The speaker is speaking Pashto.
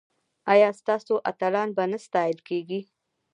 ایا ستاسو اتلان به نه ستایل کیږي؟